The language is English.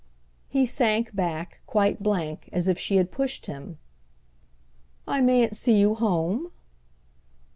He sank back, quite blank, as if she had pushed him. "I mayn't see you home?"